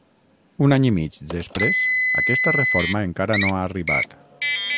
Un any i mig després, aquesta reforma encara no ha arribat.